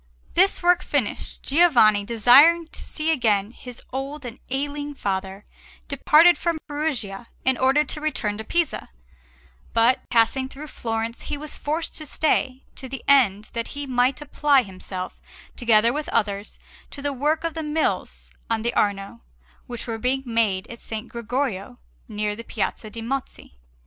This work finished, Giovanni, desiring to see again his old and ailing father, departed from Perugia in order to return to Pisa; but, passing through Florence, he was forced to stay, to the end that he might apply himself, together with others, to the work of the Mills on the Arno, which were being made at S. Gregorio near the Piazza de' Mozzi.